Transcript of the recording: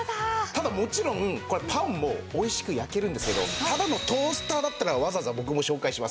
ただもちろんパンも美味しく焼けるんですけどただのトースターだったらわざわざ僕も紹介しません。